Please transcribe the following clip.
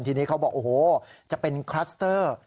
ทีนี้เขาบอกโอ้โหจะเป็นคลัสเตอร์